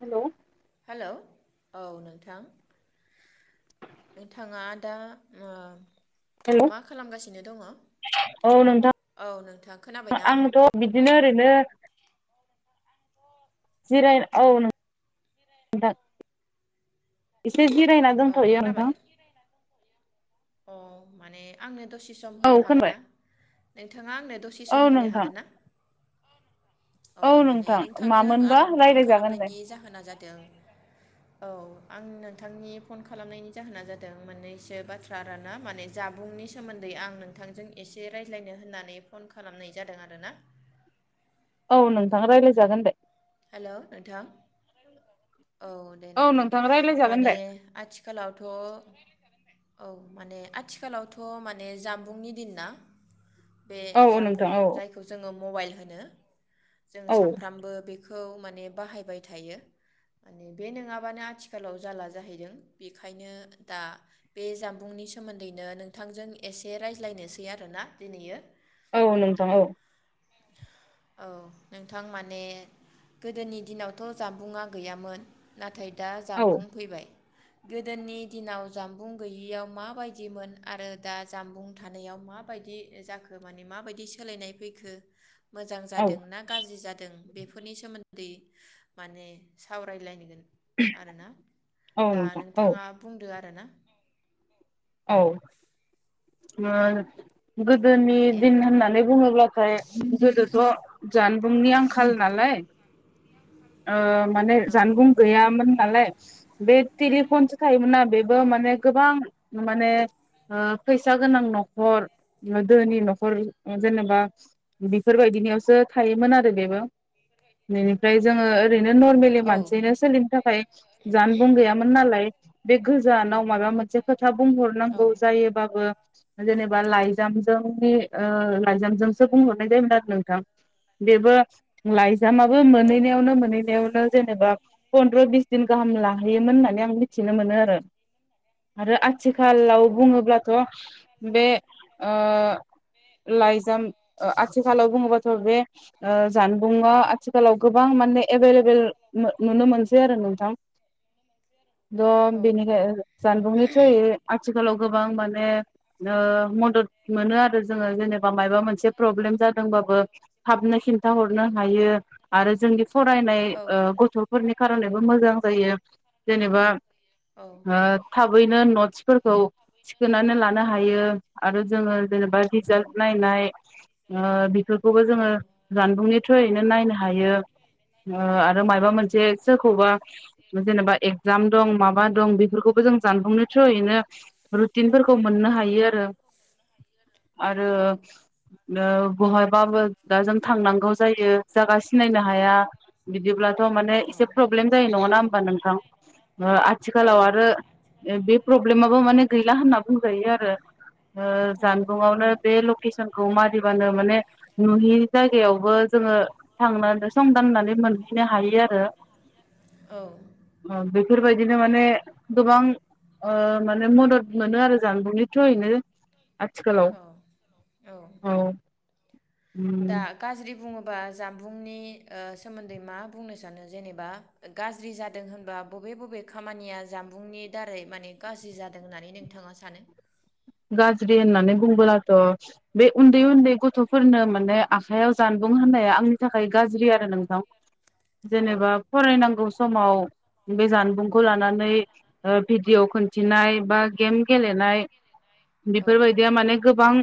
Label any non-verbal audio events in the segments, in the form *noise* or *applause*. Hello hello औ नोंथां नोंथाङा दा ओ हेलौ मा खालामगासिनो दङ? औ नोंथां औ नोंथां खोनाबाय ना? आंथ' बिदिनो ओरैनो जिरायनो औ नों नोंथां एसे जिरायना औ दंथ'यो खोनाबाय नोंथां अ माने आंनो दसे सम औ होनो हागोन खोनाबाय ना? नोंथाङा आंनो दसे औ सम होनो नोंथां हागोन ना? औ माने नोंथां नोंथांजों मामोनबा आं फन रायज्लायजागोन दे खालामनायनि जाहोना जादों औ आं नोंथांनि फन खालामनायनि जाहोना जादों मोननैसो बाथ्रा आरो ना माने जाबुंनि सोमोन्दै आं नोंथांजों एसे रायज्लायनो होननानै फन खालामनाय जादों आरोना औ नोंथाङा रायलायजागोन दे हेलौ नोंथां औ दे औ नोंथां रायज्लायजागोन माने दे आथिखालावथ' औ माने आथिखालावथ' माने जामबुंनि दिन ना। बे औ औ जामबुं नोंथां औ जायखौ जोङो मबाइल होनो जों औ सानफ्रामबो बे बेखौ माने बाहायबाय थायो माने बे नङाबानो आथिखालाव जाला जाहैदों बेखायनो दा बे जामबुंनि सोमोन्दैनो नोंथांजों एसे रायज्लायनोसै आरोना दिनैयो। औ नोंथां औ औ नोंथां माने गोदोनि दिनावथ' जामबुंआ गैयामोन नाथाय दा औ जामबुं फैबाय गोदोनि दिनाव जामबुं गैयियाव माबायदिमोन आरो दा जामबुं थानायाव माबायदि जाखो माने माबायदि सोलायनाय फैखो? मोजां औ जादों ना गाज्रि जादों? बेफोरनि सोमोन्दै माने सावरायलायनगोन। आरोना औ दा नोंथां औ नोंथाङा बुंदो आरो। ना औ *unintelligible* औ गोदोनि दे दिन नोंथां होननानै बुङोब्ला ओमफ्राय गोदोथ' जानबुंनि आंखाल नालाय ओ माने औ जानबुं गैयामोन नालाय। बे तेलि फन थायोमोना बेबो औ माने गोबां माने ओ फैसा गोनां न'खर दोनि न'खर जेनेबा बेफोरबायदिनियावसो थायोमोन आरो बेबो बेनिफ्राय जोङो ओरैनो नरमेलि औ मानसिनो सोलिनो थाखाय जानबुं गैयामोन नालाय बे गोजानाव माबा मोनसे खो खोथा बुंहरनांगौ औ जायोबाबो जेनेबा लाइजामजों बि ओ लान्जामजोंसो बुंहरनाय जायोमोन। नोंथां बेबो लाइ जामाबो औ मोनैनो जेनेबा पन्द्र'बिस गाहाम लाहैयोमोन होनना मिथिनो मोनोमोन आरो। आथिखालाव बुङोब्लाथ' बे ओ लाइजाम ओ आथिखालाव बुङोबाथ' बे जानबुंङा आथिखालाव गोबां गोबां माने एभेलेबेल मोन नुनो मोनसै आरो नोंथां औ थ' बेनिखाय जानबुंनि थ्रुयै आथिखालाव गोबां माने ने नो मदद मोनो आरो जोङो जेनेबा माबा मोनसे प्रब्लेम जादोंबाबो थाबनो खिन्था हरनो हायो जोंनि फरायनाय ओ गथ'फोरनि खारनायबो मोजां जायो जेनेबा औ ओ थाबैनो न'थिं फोरखौ थिखोननानै लानो हायो आरो जोङो जेनेबा औ बिजाब नायनाय ओ बि बेखौबो औ जोङो जानबुंनि थ्रुयैनो नायनो हायो आरो औ मायाबा मोनसे सोरखौबा जेनेबा एगजाम दं माबा दं बेफोरखौबो जों जानबुंनि थ्रुयैनो रुटिनफोरखौ मोननो औ हायो आरो आरो औ नों बहायबाबो दा जों थांनांगौ जायो जागा सिनायनो हाया बिदिब्ला माने एसे प्र्रब्लेम जायो नङा ना होमबा नोंथां ओ औ आथिखालाव आरो बे प्रब्लेमाबो माने गैला होनना बुंजायो आरो ओ जानबुंआवनो बे लकेसन खौ मारिबानो माने नुयि जायगायावबो जोङो थांनानै संदाननानै मोनहैनो हायो आरो बे बेफोरबायदिनो माने गोबां ओ माने मदद मोनो आरो जानबुंनि थ्रयैनो आथिखालाव औ औ *inaudible* दा गाज्रि बुङोब बा जानुंनि सोमोन्दै ओ मा बुंनो सानो जेनेबा गाज्रि जादों होनबा बबे बबे खामानिया जामबुंनि दारै माने गाज्रि जादों होननानै नोंथाङा सानो गाज्रि होननानै बुंबोलाथ' बे उन्दै उन्दै गथ'फोरनो माने आखायाव जानबुं होना आंनि थाखाय गाज्रि आरो नोंथां औ जेनेबा फरायनांगौ समाव बे जानबुंखौ औ लानानै ओ भिडिय' खिन्थिनाय बा गेम गेलेनाय औ बेफोरबायदिया माने गोबां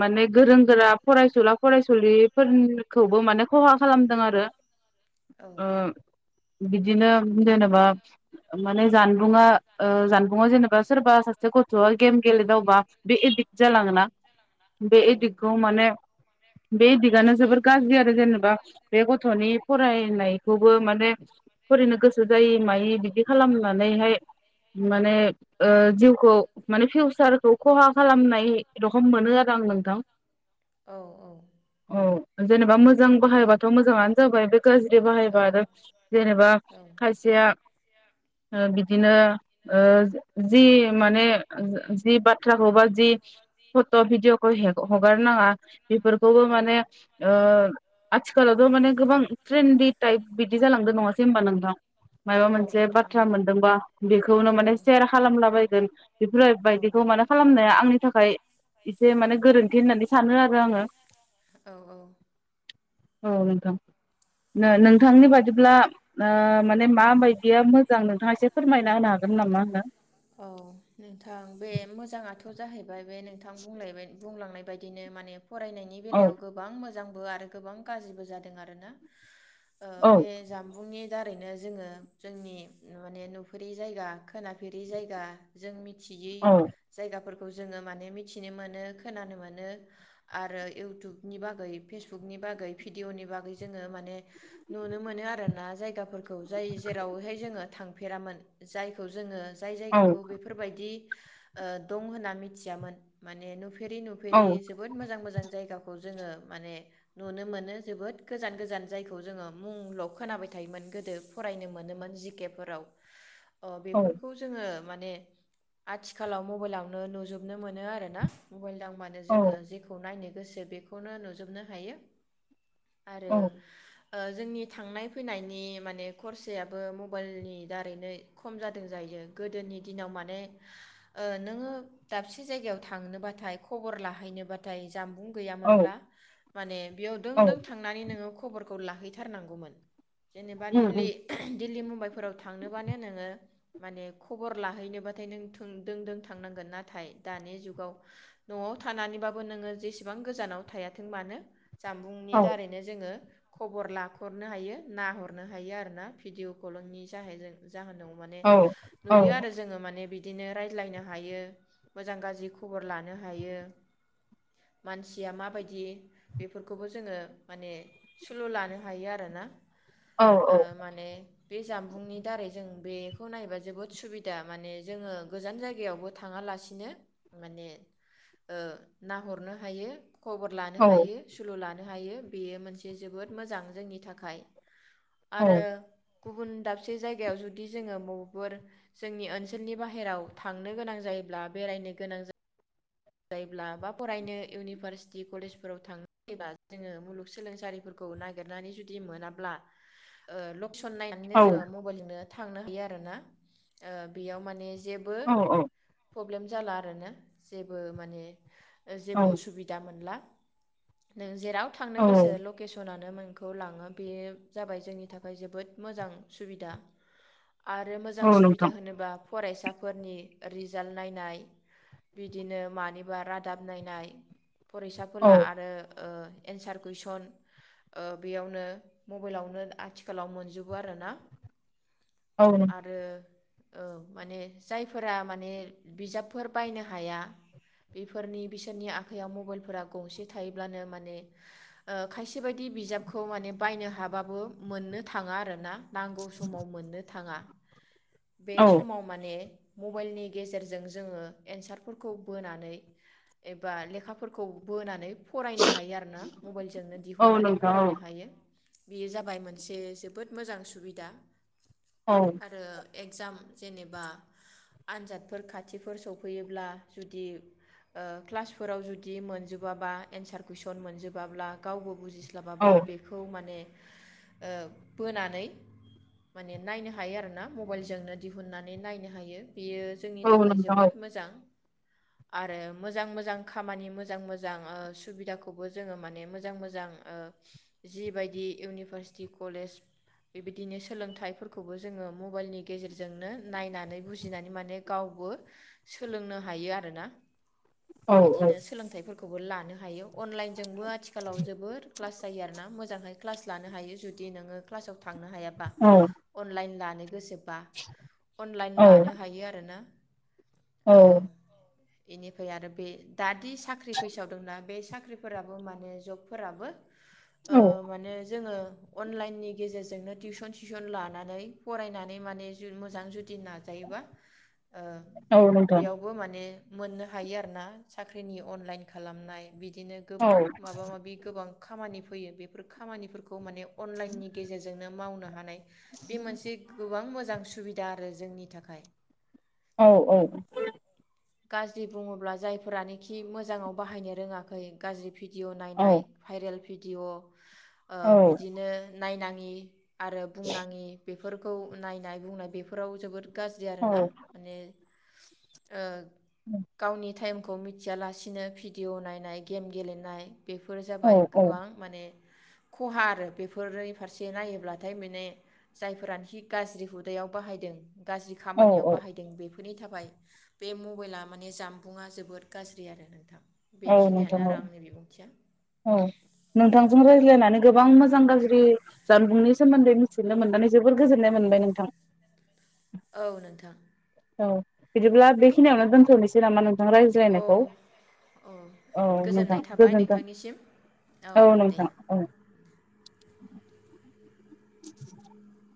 माने गोरों गोरा फरायसुला फरायसुलिफोरखौबो माने खहा खालामदों आरो औ अ बिदिनो जेनेबा माने जानबुंङा जानबुंङा जेनेबा सोरबा सासे गथ'आ गेम गेलेदावबा बे एदिक्ट जालाङोना बे औ एदिक्टखौ माने बे दिगानो जोबोर गाज्रि आरो जेनेबा बे गथ'नि फरायनायखौबो माने फरायनो गोसो जायै मायै बिदि खालामनानैहाय माने ओ जिउखौ माने फिउसार सारखौ खहा खालामनाय रखम मोनो आरो आं नोंथां औ औ औ जेनेबा मोजां बाहायबाथ' मोजाङानो जाबाय बे गाज्रि बाहायबा आरो जेनेबा खायसेया ओ बिदिनो ओ जि माने जि बाथ्राखौबा जि फथ' भिदिअ' ह हगार नाङा बेफोरखौबो औ माने ओ आथिखालावथ' माने गोबां ट्रेन्डि टाइप बिदि जालांदों नङासै होनबा नोंथां माबा औ मोनसे नोंथां बाथ्रा मोनदोंबा बेखौनो औ माने सेयार खालामलाबायगोन बेफोरो औ बायदि *unintelligible* थाखाय एसे माने गोरोन्थि होननानै सानो आरो आङो औ औ औ नोंथां ओ नोंथांनि बादिब्ला ओ माने माबायदिया मोजां नोंथाङा एसे फोरमायना होनो हागोन नामा नोंथां औ नोंथां बे मोजाङाथ' जाहैबाय *unintelligible* बेबायदिनो माने फरायनायनि औ बेलायाव गोबां मोजां बो आरो गोबां गाज्रिबो जादों आरोना ओ औ बे जामबुंनि दारैनो जोङो जोंनि माने नुफेरि जायगा खोनाफेर जायगा जों रियै औ जायगाफोरखौ खौ जोङो माने मिथिनो मोनो खोनानो मोनो आरो इउटुबनि बागै फेसबुकनि बागै भिडिअनि बागै जोङो माने नुनो मोनो आरोना जायगाफोरखौ जाय जेरावहाय जोङो थांफेरामोन जायखौ जोङो जाय जायगाखौ बेफोरबायदि ओ दं होनना मिथियामोन माने न *unintelligible* जायगाखौ जोङो माने नुनो मोनो जोबोद गोजान गोजान जायखौ जोङो मुंल' खोनाबाय थायोमोन गोदो फरायनो मोनोमोन जिके फोराव अ बेफोर *unintelligible* जोङो माने आथिखालाव मबाइलावनो नुजोबनो मोन आरोना मबाइल माने जोङो जेखौ नायनो लोगोसे बेखौनो नुजोबनो हायो। आरो जोंनि थांनाय फैनायनि माने खरसायाबो मबाइलनि दारैनो खम जादों जायो। गोदोनि दिनाव माने ओ नोङो दाबसे जायगायाव थांनोबाथाय खबर लाहैनोबाथाय जामबुं गैयामोनब्ला माने बेयाव दों दों थांनानै नोङो खबरखौ लाहैथारनांगौमोन। जेनेबा दिल्ली दिल्ली मुम मुमबाइफोराव थांनोबानो नोङो। माने खबर लाहैनोबाथाय नों दों दों थांनांगोन नाथाय दानि जुगाव न'आव थानानैबाबो नोङो जेसेबां गोजानाव थायाथों मानो जामबुंनि दारैनो जोङो खबर लाखरनो हायो नाहरनो हायो आरोना भिडिअ कलिंनि जाह जाहोनाव माने नुयो आरो जोङो माने बि दिनो रायज्लायनो हायो मोजां गाज्रि खबर लानो हायो मानसिया माबायदि बेफोरखौबो जोङो माने सुलु लानो हायो आरोना। आ माने बे जामबुंनि दारै जों बे खौ नायबा जोबोद सुबिदा माने जोङो गोजान जायगायावबो थाङालासिनो माने ओ नाहरनो हायो। खबर लानो हायो सुलु ला नो हायो बेयो मोनसे जोबोद मोजां जोंनि थाखाय। आरो गुबुन दाबसे जायगायाव जुदि जोङो मबफोर जोंनि ओनसोलनि बाहेराव थांनो गोनां जायोब्ला बेरायनो गोनां जायोब्ला बा फरायनो इउनिभारसिटि कलेजफोराव थांनो जायोबा जोङो मुलुगसोलोंसालिफोरखौ नागिरनानै जुदि मोनाब्ला ओ ल केसन नायनानैनो जोङो मबाइलजोंनो थांनो हायो आरोना ओ बेयाव माने जेबो प्रब्लेम जाला आरोना जे बो माने जेबो उसुबिदा मोनला नों जेराव थांनो गोसो लकेसना नो नोंखौ लाङो बे जाबाय जोंनि थाखाय जोबोद मोजां सुबिदा। आरो मोजां सुबिदा होनोबा फरायसाफोरनि रिजाल्ट नायनाय बि बिदिनो मानिबा रादाब नायनाय फरायसाफोला औ आरो। ओ एनसार कुइसन ओ बेयावनो मबाइलावनो आथिखालाव मोनजोबो आरोना। औ नोंथां आरो। औ माने जायफोरा माने बिजाबफोर बायनो हाया। बेफोरनि बिसोरनि आखाइयाव मबाइलफोरा गंसे थायोब्लानो माने ओ खायसे बायदि बिजाबखौ माने बायनो हाबाबो मोननो थाङा आरोना। नांगौ समाव मोननो थाङा औ बे समाव माने मबाइलनि गेजेरजों जोङो एनसार फोरखौ बोनानै एबा लेखाफोरखौ बोनानै फरायनो हायो आरो ना मबाइलजोंनो औ दिहुननानै नोंथां औ फरायनो हायो। बेयो जाबाय मोनसे जोबोद मोजां सुबिदा आरो। एगजाम जेनेबा आनजादफोर खाथिफोर सफैयोब्ला। जुदि ओ क्लासफोराव जुदि मोनजोबाबा एन्सार कुइसन मोनजोबाब्ला गावबो बुजिस औ स्लाबाबा बेखौ माने बोनानै माने नायनो हायो आरोना मबाइलजोंनो दिहुननानै नायनो हायो। बियो जोंनि औ थाखाय नोंथां जोबोद मोजां। आरो मोजां मोजां खामानि मोजां मोजां सुबिदाखौबो जोङो माने मोजां मोजां जिबायदि इउनिभारसिटि कलेज बेबायदिनो सोलोंथाइफोरखौबो जोङो मबाइलनि गेजेरजोंनो नायनानै बुजिनानै माने गावबो सोलोंनो नो हायो आरोना। औ बिदिनो सोलोंथाइफोर खौबो लानो हायो। अनलाइनजोंबो आथिखालाव जोबद क्लास जायो आरोना मोजां। मोजाङै क्लास लानो हायो जुदि नोङो क्लासाव थ थांनो हाया बा औ अनलाइन लानो गोसो अनलाइन औ लानो हायो आरोना। औ बेनिफ्राय आरो बे दादि साख्रि फैसावदोंना बे साख्रिफोराबो माने जबफोराबो माने जोङो। अनलाइनि गेजेरजोंनो टिउसन सिसन लानानै फरायनानै माने मोजां जुदि दि जायोबा ओ औ नोंथां बियाव माने मोननो हायो आरो ना साख्रिनि अनलाइन खालामनाय बिदिनो औ गोबां माबा माबि गोबां खामानि फैयो बेफोर खामानिफोरखौ माने अनलाइननि गेजेरजोंनो माव नो हानाय बे मोनसे गोबां मोज जां सुबिदा आरो जोंनि थाखाय। औ औ। गाज्रि बुङोब्ला जायफोरानोखि मोजाङाव बाहायनो रोङाखै गाज्रि फि डिअ नाय भाइरेल भिडिअ ओ बिदिनो नायनाङि आरो बुंनाङि बे फोरखौ नायनाय बुंनाय बेफोराव जोबोद गाज्रि औ आरोना माने ओ गावनि टाइम खौ मिथियालासिनो भिडिअ नायनाय गेम गेलेनाय बेफोर जाबाय औ गोबां माने खहा आरो बेफोरनि फारसे नायोब्लाथाय माने जायफोरानोखि गाज्रि हुदायाव बाहायदों गाज्रि खामानियाव बाहायदों बे नि थाबाय बे मबाइला माने जामबुंङा जोबोद गाज्रि आरो नोंथां। औ नोंथां बेखिनियानो औ आरो आंनि बिबुंथिया औ नोंथांजों राय ज्लायनानै गोबां मोजां गाज्रि जानबुंनि सोमोन्दै मिथिनो मोननानै जोबोर गोजोननाय मोनबाय नोंथां। औ नोंथां। औ बिदिब्ला बेखिनियावनो दोनथ'नोसै नामा अ रायज्लायनायखौ औ औ नोंथां गोजोननाय थाबाय गोजोनथों। नोंथांनिसिम औ नोंथां औ। *inaudible*